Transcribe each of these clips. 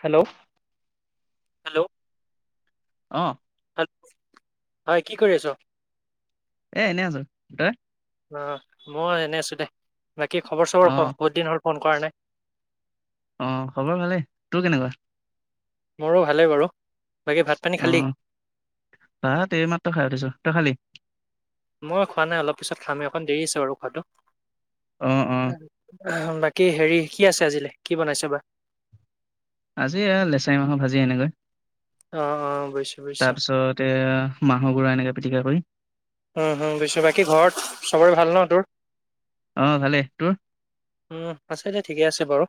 Hello hello অ hello হয় কি কৰি আছ? এ এনেই আছো, তই? অ মই এনেই আছো দে। বাকী খবৰ অ চবৰ বহুত দিন হ'ল ফোন কৰা নাই। অ খবৰ ভালেই তোৰ কেনেকুৱা মোৰো ভালেই বাৰু বাকী ভাত পানী খালি? অ, ভাত এই মাত্ৰ খাই উঠিছো তই খালি। মই খোৱা নাই অলপ পিছত খাম একন দেৰি আছোঁ আৰু খোৱাটো। উ উ। বাকী হেৰি কি আছে আজিলৈ কি বনাইছে বা। আজি লেচাৰী মাহৰ ভাজি এনেকৈ, অ' অ' বুজিছো বুজিছো। তাৰপিছত এ মাহৰ গুৰা এনেকে। পতিকা কৰি। বুজছো বাকী ঘৰত চবৰে ভাল ন তোৰ। অ ভালে তোৰ। উম আছে দে ঠিকে আছে বাৰু,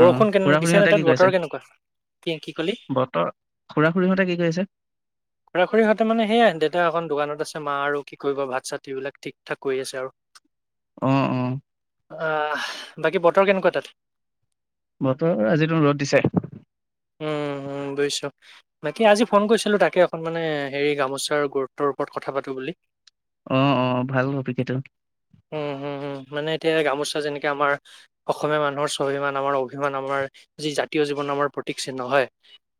অ কেনে খুৰা দিছে ন খুৰীহঁতে কি তাত কৰিছে বতৰ কেনেকুৱা কি কি কলি? বতৰ খুৰা খুৰীহঁতে কি কৰিছে খুৰা খুৰিহঁতে মানে সেইয়াই দেউতা একন দোকানত আছে। মা আৰু কি কৰিব ভাত চাত বিলাক ঠিক ঠাক কৰি আছে আৰু। উম উম। অ বাকী বতৰ কেনেকুৱা তাত। বতৰ আজি ৰ'দ দিছে। উম, উম, বুজিছোঁ। বাকী আজি ফোন কৰিছিলো তাকে একখন মানে হেৰি, গামোচাৰ গুৰুত্বৰ ওপৰত কথা পাতো বুলি। আহ আহ ভাল টপিকটো। তে গামোচ। চা যেনেকে আমাৰ, অসমীয়া মানুহৰ স্বাভিমান আমাৰ অভিমান আমাৰ যি জাতীয় জীৱন আমাৰ প্ৰতীক চিহ্ন হয়।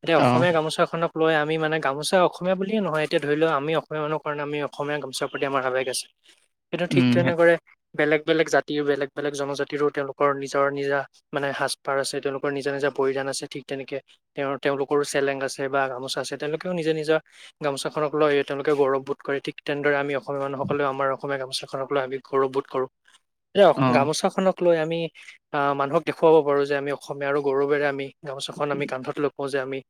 এতিয়া অ অসমীয়া গামোচাখনক। লৈ আমি মানে গামোচা অসমীয়া বুলিয়ে নহয় এতিয়া ধৰি লও আমি অসমীয়া মানহ কাৰণে আমি অসমীয়া গামোচাৰ প্ৰতি আমাৰ আৱেগ আছে। সেইটো ঠিক উম তেনে সেই- কৰে। বেলেগ বেলেগ জাতিও বেলেগ। বেলেগ জনজাতিৰো তেওঁলোকৰ নিজৰ নিজা, মানে সাজ পাৰ আছে তেওঁলোকৰ নিজা নিজা পৰিধান আছে ঠিক, তেনেকে তেওঁ তেওঁলোকৰো চেলেং আছে বা গামোচা আছে তেওঁলোকেও নিজৰ নিজৰ গামোচাখনক লৈ তেওঁলোকে গৌৰৱবোধ কৰে ঠিক তেনেদৰে আমি অসমীয়া মানুহসকলেও আমাৰ অসমীয়া গামোচাখনক লৈ আমি গৌৰৱবোধ কৰোঁ। অ গামোচাখনক লৈ আমি, মানুহক দেখুৱাব পাৰোঁ যে আমি অসমীয়া আৰু গৌৰৱেৰে আমি। গামোচাখন আমি কান্ধত ল ও যে আমি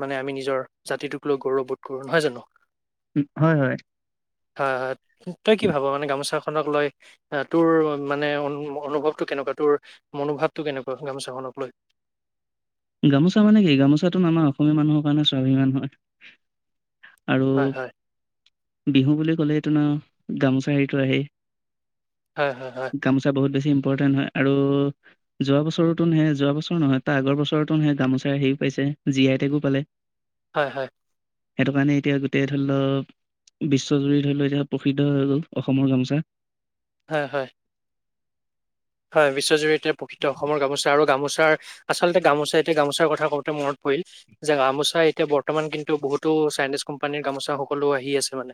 মানে, আমি নিজৰ জাতিটোক লৈ গৌৰৱবোধ কৰো নহয় জানো। হয় হয়। হয় হয়। তই কি ভাব মানে গামোচা। খনক লৈ তোৰ মানে [unintelligible] অনুভৱটো কেনেকুৱা তোৰ মনোভাৱটো কেনেকুৱা গামোচাখনক লৈ। গামোচা মানে কি গামোচাটো আমাৰ অসমীয়া মানুহৰ কাৰণে স্বাভিমান হয়। আৰু। হয়, হয়। বিহু বুলি ক'লে এইটো, ন গামোচা হেৰিটো আহেই। হয়, হয়, হয়। গামোচা বহুত বেছি। হয় আৰু যোৱাবছৰটোন, যোৱাবছৰ নহয় তাৰ আগৰ বছৰ হেৰি গামোচা হেৰিও পাইছে, জীয়আই টেগো পালে। হয়-হয় সেইটো কাৰণে এতিয়া গোটেই ধৰি লওক, বিশ্বজুৰি ধৰি লওক, এতিয়া প্ৰসিদ্ধ হৈ গ'ল অসমৰ গামোচা। হয়-হয় বিশ্বজুৰিত এইয়াই প্ৰকৃত অসমৰ গামোচা আৰু গামোচা চাৰ আচলতে গামোচা এতিয়া গামোচাৰ কথা ক‌ওঁতে মনত পৰিল যে গামোচা এতিয়া বৰ্তমান কিন্তু বহুতো চাইনিজ কোম্পানীৰ গামোচা সকলো আহি আছে মানে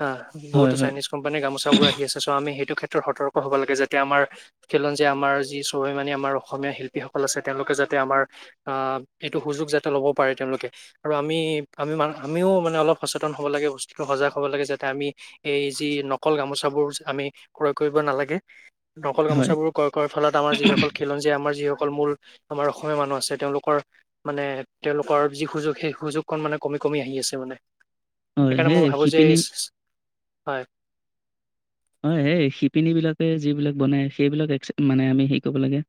হা হয় বহুতো হয় চাইনিজ কোম্পানীৰ গামোচাবোৰ আহি আছে চ আমি সেইটো ক্ষেত্ৰত সতৰ্ক হ'ব লাগে যাতে আমাৰ খীলঞ্জীয়া আমাৰ যি স্বাভিমানি আমাৰ অসমীয়া শিল্পীসকল আছে, তেওঁলোকে যাতে আমাৰ আহ এইটো সুযোগ যাতে লব পাৰে তেওঁলোকে আৰু আমি-আমি-আমিও মানে অলপ সচেতন হব লাগে, বস্তুটো সজাগ হব লাগে, যাতে আমি এই যি নকল গামোচাবোৰ আমি ক্ৰয় কৰিব নালাগে। নকল হয় গামোচাবোৰ ক্ৰয় কৰা ফলত আমাৰ যিসকল খিলঞ্জীয়া আমাৰ যিসকল অকল মূল আমাৰ অসমীয়া মানুহ আছে, তেওঁলোকৰ মানে তেওঁলোকৰ যি সুযোগ সেই সুযোগ কন মানে কমি-কমি আহি আছে মানে। হয় সেইকাৰণে মই সেই ভাবো যে এই শিপিনী হয়। হয় সেই শিপিনীবিলাকে যিবিলাক বনাই সেইবিলাক এক মানে আমি হেৰি কৰিব লাগে।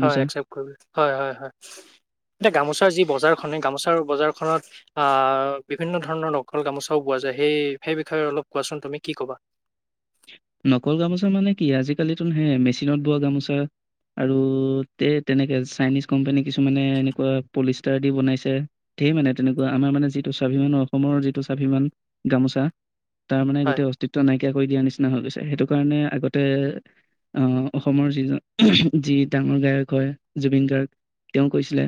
হয় একচেপ কৰিব হয়-হয়-হয়। এতিয়া গামোচাৰ যি বজাৰখনে গামোচাৰ বজাৰখনত আহ বিভিন্ন ধৰণৰ নকল গামোচাও পোৱা যায়, সেই-সেই বিষয়ে অলপ কোৱাচোন তুমি কি ক'বা? নকল গামোচা মানে কি আজিকালিটো হেয়াই মেচিনত বোৱা গামোচা আৰু তে-তেনেকে চাইনিজ কোম্পানী কিছুমানে এনেকুৱা পলিচ টাৰ দি বনাইছে, ধেই মানে তেনেকুৱা আমাৰ মানে যিটো স্বাভিমানৰ, অসমৰ যিটো স্বাভিমান গামোচা তাৰ মানে হয়, গোটেই অস্তিত্ব নাই নাইকিয়া কৰি দিয়া নিচি না হৈ গৈছে। সেইটো কাৰণে আগতে আহ অসমৰ যিজন যি ডাঙৰ গায়ক হয় জুবিন গাৰ্গ তেওঁ কৈছিলে,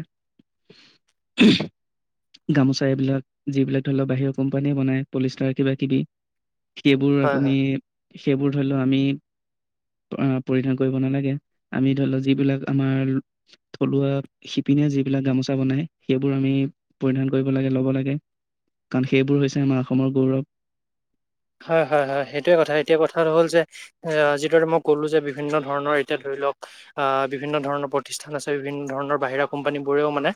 গামোচা এইবিলাক যিবিলাক ধৰি লওক বাহিৰৰ কোম্পানীয়ে বনাই পলিষ্টাৰ কিবা-কিবি সেইবোৰ হয়, হয়। আপুনি সেইবোৰ ধৰি লওক আমি পৰিধান কৰিব নালাগে, আমি ধৰি লওক যিবিলাক আমাৰ থলুৱা শিপিনীয়ে যিবিলাক গামোচা বনাই সেইবোৰ আমি পৰিধান কৰিব লাগে, ল'ব লাগে, কাৰণ সেইবোৰ হৈছে আমাৰ অসমৰ গৌৰৱ। হয়-হয়-হয় সেইটোৱেই কথা, এতিয়া কথাটো হ'ল যে এ যিদৰে মই ক'লো যে বিভিন্ন ধৰণৰ এতিয়া ধৰি লওক, আহ বিভিন্ন ধৰণৰ প্ৰতিষ্ঠান আছে বিভিন্ন ধৰণৰ বাহিৰা কোম্পানীবোৰেও মানে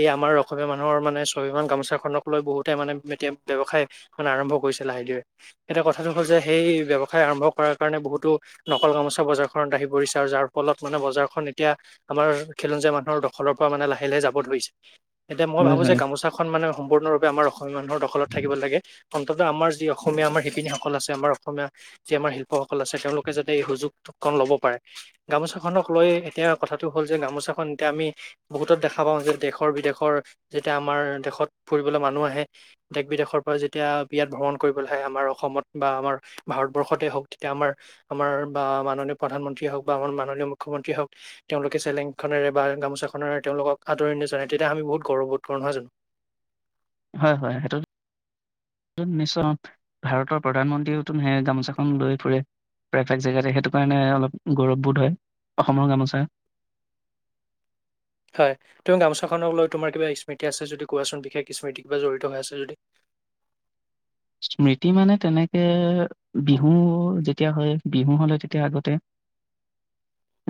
এই আমাৰ অসমীয়া মানুহৰ মানে স্বাভিমান গামোচাখনক লৈ বহুতে মানে এতিয়া ব্যৱসায় মানে আৰম্ভ কৰিছে লাহে ধীৰে। এতিয়া কথাটো হ'ল যে সেই ব্যৱসায় আৰম্ভ কৰাৰ কাৰণে বহুতো নকল গামোচা বজাৰখনত আহি পৰিছে আৰু যাৰ ফলত মানে বজাৰখন এতিয়া আমাৰ খিলঞ্জীয়া মানুহৰ দখলৰ পৰা মানে লাহে-লাহে যাব ধৰিছে। এতিয়া মই হয় ভাবোঁ যে হয় গামোচাখন মানে সম্পূৰ্ণৰূপে আমাৰ অস মানুহৰ দখলত থাকিব লাগে, অন্তত আমাৰ যি অসমীয়া আমাৰ শিপিনীসকল আছে, আমাৰ অসমীয়া যি আমাৰ শিল্পসকল আছে, তেওঁলোকে যাতে এই সুযোগ কন লব পাৰে, গামোচাখনক লৈ এতিয়া কথাটো হ'ল যে গামোচাখন এতিয়া আমি বহুতত দেখা পাওঁ যে দেশৰ বিদেশৰ যেতিয়া আমাৰ দেশত ফুৰিবলৈ মানুহ আহে, দেশ-বিদেশৰ পৰা যেতিয়া বিয়াত ভ্ৰমণ কৰিবলৈ আহে আমাৰ অসমত বা আমাৰ ভাৰতবৰ্ষতে হওক তেতিয়া আমাৰ-আমাৰ বা মাননীয় প্ৰধানমন্ত্ৰীয়ে হওক বা আমাৰ মাননীয় মুখ্যমন্ত্ৰীয়ে হওক তেওঁলোকে চেলেংখনেৰে বা গামোচাখনেৰে তেওঁলোকক আদৰণি জনায় তেতিয়া আমি বহুত গৌৰৱবোধ কৰো নহয় জানো? হয়-হয় সেইটোত নিশ্চয় ভাৰতৰ প্ৰধানমন্ত্ৰীওটো সেই গামোচাখন লৈ ফুৰে প্ৰায়ভাগ জেগাতে সেইটো কাৰণে অলপ গৌৰৱবোধ হয়, অসমৰ গামোচা। হয় তুমি গামোচাখনক লৈ তোমাৰ কিবা স্মৃতি আছে যদি কোৱাচোন, বিশেষ স্মৃতি কিবা জড়িত হৈ আছে যদি? স্মৃতি মানে তেনেকে বিহু যেতিয়া হয় বিহু হ'লে তেতিয়া আগতে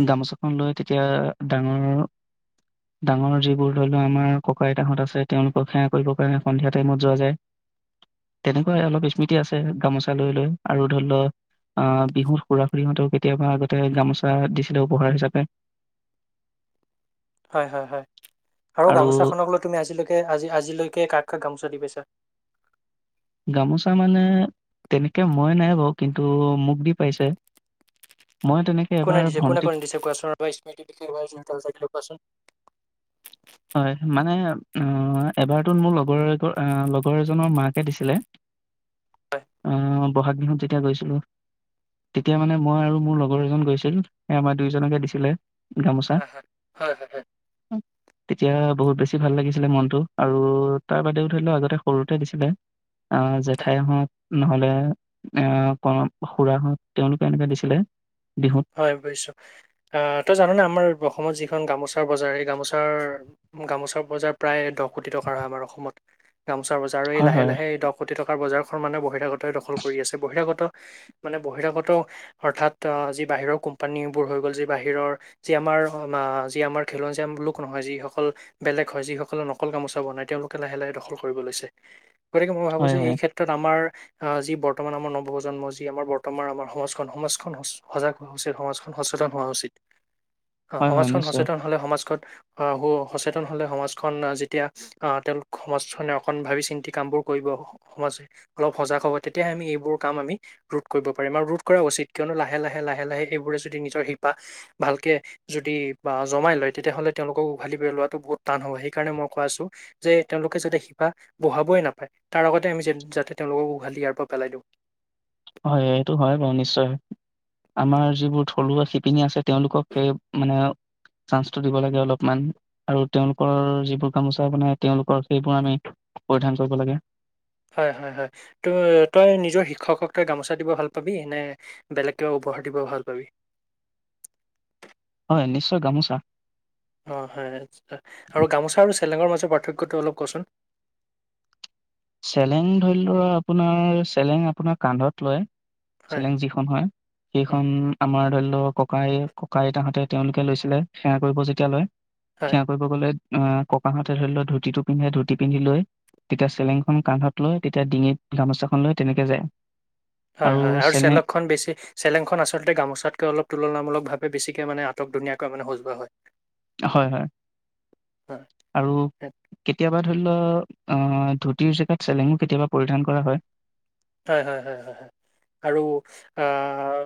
গামোচাখন লৈ তেতিয়া ডাঙৰ-ডাঙৰ যিবোৰ ধৰি লোৱা আমাৰ ককা-আইতাহঁত আছে, তেওঁলোকক সেৱা কৰিবৰ কাৰণে সন্ধিয়া টাইমত যোৱা যায়। তেনেকুৱাই অলপ স্মৃতি আছে, গামোচা লৈ-লৈ আৰু ধৰি লও আহ বিহুত খুৰা-খুৰিহঁতেও কেতিয়াবা আগতে গামোচা দিছিলে উপহাৰ হিচাপে। হয়-হয়-হয় আৰু গামোচাখনক লৈ তুমি আজিলৈকে আজি-আজিলৈকে কাক-কাক গামোচা দি পাইছা? গামোচা মানে তেনেকে মই নাই বাৰু কিন্তু মোক দি পাইছে। মই তেনেকে কোনে এবাৰ দিছে কোনে ভন্টিক কোনে দিছে কোৱাচোন স্মৃতি [unintelligible] কোৱাচোন। হয় মানে এবাৰটোত মোৰ লগৰ এ লগৰ এজনৰ মাকে দিছিলে। হয়। আহ বহাগ বিহুত যেতিয়া গৈছিলোঁ। তেতিয়া মানে মই আৰু মোৰ লগৰ এজন গৈছিল সে আমাৰ দুয়োজনকে দিছিলে। গামোচা হয় হয় হয়। এতিয়া বহুত বেছি ভাল লাগিছিলে মনতটো আৰু তাৰ বাদেও ধৰি লও আগতে সৰুতে দিছিলে। আহ জেঠাই হওঁক নহলে আহ ক খুৰা হত তেওঁলোকে এনেকে দিছিলে। বিহুত। হয় বুজিছো আহ তই জানানে আমাৰ অসমত যিখন গামোচা বজাৰ এই গামোচাৰ গামোচা বজাৰ প্ৰায় দহ কোটি টকাৰ হয় আমাৰ অসমত গামোচা বজাৰ আৰু এই হয় লাহে হয়। লাহে এই দহ কোটি টকাৰ বজাৰ। মানে বহিৰাগত দখল কৰি আছে বহিৰাগত মানে বহিৰাগত অৰ্থাৎ অ যি বাহিৰৰ কোম্পানী বোৰ হৈ গ'ল যি বাহিৰৰ যি আমাৰ যি আমাৰ খিলঞ্জীয়া লোক নহয় যিসকল বেলেগ হয় যিসকললে নকল গামোচা বনাই তেওঁলোকে লাহে লাহে দখল কৰিব লৈছে। গতিকে মই ভাবোঁ হয় যে এই হয় ক্ষেত্ৰত আমাৰ আহ যি বৰ্তমান আমাৰ নৱপ্ৰজন্ম যি আমাৰ বৰ্তমান আমাৰ সমাজখন সমাজখন সজাগ হোৱা উচিত সমাজখন সচেতন হোৱা উচিত। অ হয় হয় সমাজখন নিশ্চয় সচেতন হলে সমাজখত আহ সচেতন হলে সমাজখন আহ যেতিয়া আহ তেওঁলোক সমাজখনে অকন ভাবি চিন্তি কাম বোৰ কৰিব সমাজে অলপ সজাগ হ'ব তেতিয়াহে আমি এইবোৰ কাম আমি ৰোধ কৰিব পাৰিম আৰু ৰোধ কৰা উচিত কিয়নো লা লাহে লাহে লাহে লাহে এইবোৰে যদি নিজৰ শিপা ভালকে যদি জমাই লয় তেতিয়াহলে তেওঁলোকক উঘালি পেলোৱা বহুত টান হব সেই কাৰণে মই কোৱা আছো যে তেওঁলোকে যাতে শিপা বহাবই নাপায় তাৰ আগতে আমি যাতে তেওঁলোকক উঘালি ইয়াৰ পৰা পেলাই দিওঁ। হয় এইটো হয় বাৰু নিশ্চয় আমাৰ যিবোৰ থলুৱা শিপিনী আছে। তেওঁলোকক মানে চান্সটো দিব লাগে অলপমান আৰু তেওঁলোকৰ যিবোৰ গামোচা বনাই, তেওঁলোকৰ সেইবোৰ আমি পৰিধান কৰিব লাগে। হয় হয় হয় ত তই নিজৰ শিক্ষকক তই গামোচা দিব ভাল পাবি নে বেলেগকে উপহাৰ দিব ভাল পাবি। হয় নিশ্চয় গামোচা। অ হয় আৰু গামোচা চে- চেলেঙৰ মাজৰ পাৰ্থক্যটো অলপ কচোন? চেলেং ধৰি লোৱা আপোনাৰ চেলেং আপোনাৰ কান্ধত লয়। হয় চেলেং যিখন হয় উম, সেইখন আমাৰ ধৰি লও ককাই, ককা-আইতাহঁতে তেওঁলোকে লৈছিলে সেৱা কৰিব যেতিয়া লয়। হয় সেৱা কৰিব গ'লে। অ ককাহঁতে ধৰি লোৱা ধুতিটো পিন্ধে ধুতি পিন্ধি লৈ তেতিয়া চেলেং খন কান্ধত লৈ তেতিয়া ডিঙিত গামোচাখন লৈ তেনেকে যায়। হয় হয় আৰু চেলেংখন বেছি চেলেংখন আচলতে গামোচাতকে অলপ তুলনামূলক ভাৱে বেছিকে মানে আটক ধুনীয়াকৈ মানে সজোৱা হয়। হয় হয় হয় আৰু কেতিয়াবা ধৰি ধতিৰ জেগাত চেলেঙো কেতিয়াবা পৰিধান কৰা হয় হয় হয় হয় হয় হয় আৰু আহ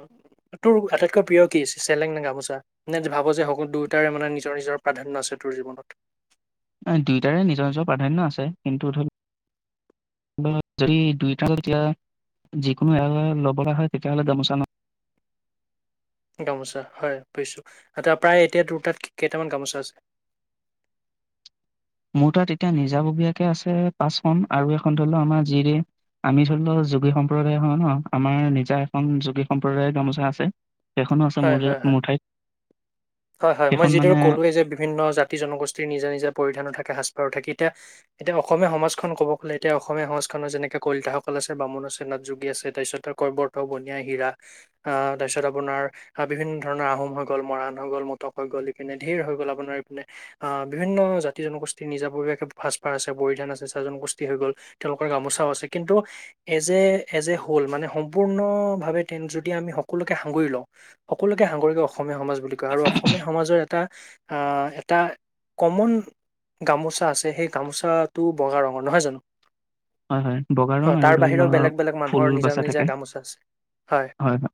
তোৰ আটাইতকৈ প্ৰিয় কি চেলেং ন গামোচা নে ভাবো যে সকলো দুয়োটাৰে মানে নিজৰ নিজৰ প্ৰাধান্য আছে তোৰ জীৱনত দুয়োটাৰে নিজৰ নিজৰ প্ৰাধান্য আছে কিন্তু ধৰি লও যদি দুটাতি যিকোনো এ ল'ব হয় তেতিয়াহ'লে গামোচা নহয় গামোচা হয় পইছো প্ৰায় এতিয়া দুটাত কেইটামান গামোচা আছে মোৰ তাত এতিয়া নিজাববীয়াকে আছে পাঁচখন আৰু এখন ধৰি লও আমাৰ যিৰে আমি ধৰি লও যোগী সম্প্ৰদায় হয় ন আমাৰ নিজা এখন যোগী সম্প্ৰদায়ৰ গামোচা আছে সেইখনো আছে মোৰ যে- মোৰ ঠাইত সেইখন মই মানে যিদৰে কলো যে বিভিন্ন জাতি জনগোষ্ঠীৰ নিজা নিজে পৰিধানত থাকে সাজ পাৰো থাকি এতিয়া এতিয়া অসমীয়া সমাজখন কব গ'লে এতিয়া অসমীয়া সমাজখননৰ যেনেকে কলিতাসকল আছে বামুণ আছে নথ যোগী আছে তাৰপিছত কবৰ্ত বনিয়া হীৰা আহ তাৰপিছত আপোনাৰ বিভিন্ন ধৰণৰ আহোম হৈ গ'ল মৰাণ হৈ গ'ল মটক হৈ গ'ল ইপিনে ধেৰ হৈ গ'ল আপোনাৰ ইপিনে আহ বিভিন্ন জাতি জনগোষ্ঠীৰ নিজাবৱাসে সাজপাৰ আছে পৰিধান আছে চাহ জনগোষ্ঠী হৈ গ'ল তেওঁলোকৰ গামোচাও আছে কিন্তু as a as a whole মানে সম্পূৰ্ণ ভাৱে যদি আমি সকলোকে সাঙুৰি লওঁ সকলোকে সাঙৰিক অসমীয়া সমাজ বুলি কয় আৰু অসমীয়া সমাজৰ এটা আহ এটা কমন গামোচা আছে সেই গামোচাটো বগা ৰঙৰ নহয় জানো হয় হয় বগা অ ৰং আৰু তাৰ ধৰি বাহিৰেও লও বেলেগ বেলেগ ফুল মানুহৰ নিজা বাচা নিজা থাকে গামোচা আছে হয় হয়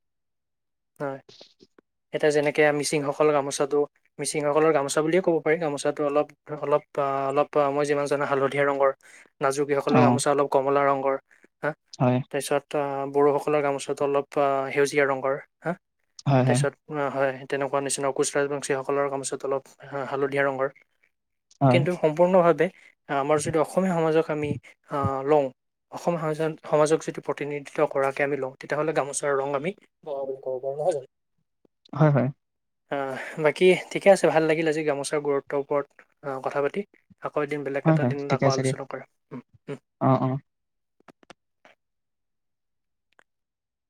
[inaudible] এতিয়া যেনেকে মিচিংসকল গামোচাটো মিচিংসকলৰ গামোচা বুলিয়ে ক'ব পাৰি গামোচাটো অলপ অলপ অলপ মই যিমান জানো হালধীয়া ৰঙৰ নাজুকিসকলৰ অ গামোচা অল কমলা ৰং [unintelligible] হা হয় তাৰপিছত [unintelligible] বড়োসকলৰ গামোচাতটো অলপ সেউজীয়া ৰঙৰ হা হয় হয় তাৰপিছত অ হয় তেনেকুৱা নিচিনা অকুচ ৰাজবংশীসকলৰ কামচত অলপ হালধীয়া ৰঙৰ হয় কিন্তু সম্পূৰ্ণভাৱে আমাৰ যদি অসমীয়া সমাজক আমি আহ লওঁ অসমীয়া সম সমাজক যদি প্ৰতিনিধিত্ব কৰাকে আমি লওঁ তেতিয়াহ'লে গামোচাৰ ৰং আমি বনাব লাগ [unintelligible] ক'ব পখৰো নহয় জানো [unintelligible] হয় হয় আহ বাকী ঠিকে আছে ভাল লাগিল আজি গামোচাৰ গুৰুত্বৰ ওপৰত কথা পাতি আকৌ এদিন বেলেগ হয় এটা হয় দিনত ঠিকে আকৌ আছে দিয়ক আলোচনা কৰা অ অ